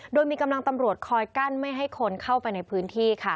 โดยมีกำลังตำรวจคอยกั้นไม่ให้คนเข้าไปในพื้นที่ค่ะ